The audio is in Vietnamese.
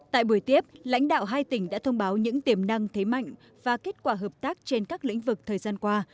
tại buổi tiếp lãnh đạo hai tỉnh đã thông báo những tiềm năng thế mạnh và kết quả hợp tác trên các lĩnh vực thời gian qua